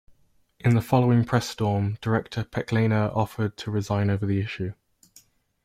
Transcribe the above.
In the following press storm, director Pechlaner offered to resign over the issue.